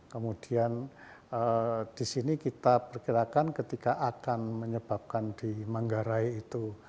kemudian di sini kita perkirakan ketika akan menyebabkan di manggarai itu